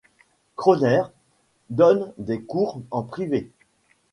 Kröner donne des cours en privé.